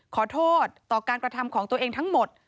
ขอโทษต่อการกระทำของตัวเองทั้งหมด